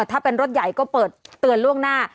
ถ้าเป็นรถใหญ่ก็เปิดเตือนล่วงหน้า